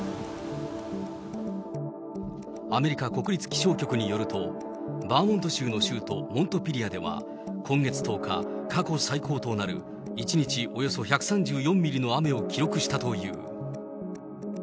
アメリカ国立気象局によると、バーモント州の州都モントピリアでは、今月１０日、過去最高となる１日およそ１３４ミリの雨を記録したという。